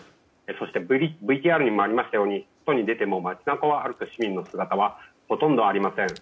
そして、ＶＴＲにもありましたように外に出ても、街中を歩く市民の姿はほとんどありません。